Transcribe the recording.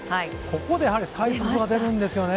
ここで最速が出るんですよね。